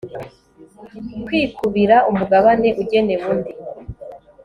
kwikubira umugabane ugenewe undi